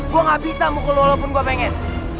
gue gak bisa mukul walaupun gue pengen